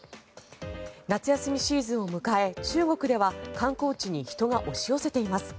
夏休みシーズンを迎え中国では観光地に人が押し寄せています。